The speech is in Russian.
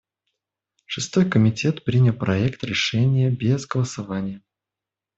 Шестой комитет принял проект решения без голосования.